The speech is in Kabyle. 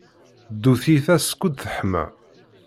Ddu tiyita skud teḥma.